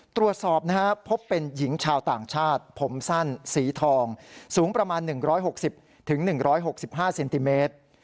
ตรวจสอบนะครับพบเป็นหญิงชาวต่างชาติผมสั้นสีทองสูงประมาณ๑๖๐๑๖๕เซนติเมตร